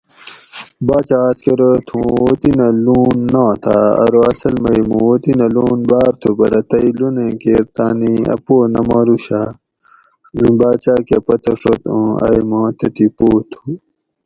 باچہ آۤس کہ ارو تھوں وطینہ لون ناتاۤ؟ ارو اصل مئی مُوں وطینہ لون باۤر تھو پرہ تئی لونیں کیر تانی اۤ پو نہ ماروشاۤ؟ اِیں باچاۤ کہ پتہ ڛت اُوں ائی ماں تتھی پو تُھو